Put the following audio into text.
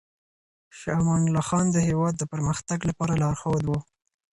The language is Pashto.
شاه امان الله خان د هېواد د پرمختګ لپاره لارښود و.